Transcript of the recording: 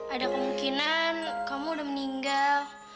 ada kemungkinan kamu udah meninggal